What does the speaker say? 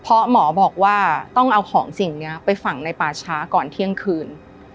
เพราะหมอบอกว่าต้องเอาของสิ่งนี้ไปฝังในป่าช้าก่อนเที่ยงคืน